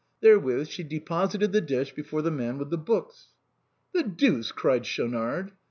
Therewith she deposited the dish before the man with the books. " The deuce !" cried Schaunard.